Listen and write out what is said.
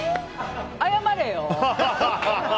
謝れよ！